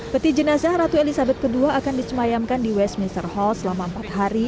peti jenazah ratu elizabeth ii akan disemayamkan di westminster hall selama empat hari